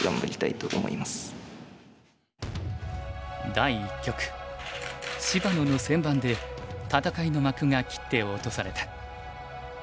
第一局芝野の先番で戦いの幕が切って落とされた。